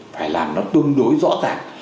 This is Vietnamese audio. phải làm nó tương đối rõ ràng